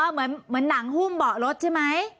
เหมือนหนังหุ้มเบาะรถใช่ไหม